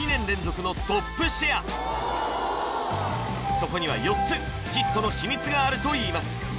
そこには４つヒットの秘密があるといいます